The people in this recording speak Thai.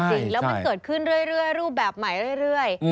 จริงแล้วมันเกิดขึ้นเรื่อยรูปแบบใหม่เรื่อย